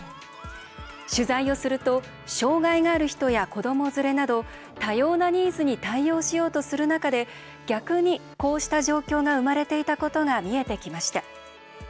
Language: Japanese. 取材をすると障害がある人や子ども連れなど多様なニーズに対応しようとする中で逆に、こうした状況が生まれていたことが見えてきました。